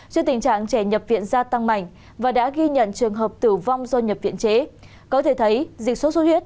trước tình trạng trẻ nhập viện gia tăng mạnh và đã ghi nhận trường hợp tử vong do nhập viện chế có thể thấy dịch sốt xuất huyết